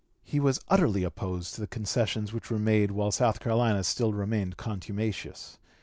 He was utterly opposed to the concessions which were made while South Carolina still remained contumacious.